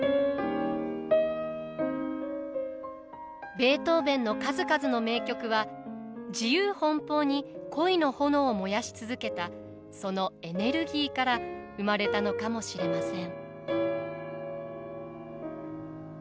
ベートーヴェンの数々の名曲は自由奔放に恋の炎を燃やし続けたそのエネルギーから生まれたのかもしれません。